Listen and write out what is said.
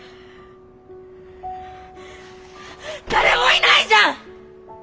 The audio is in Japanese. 誰もいないじゃん！